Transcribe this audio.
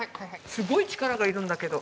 すごい力が要るんだけど。